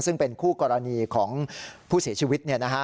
ซึ่งเป็นคู่กรณีของผู้เสียชีวิต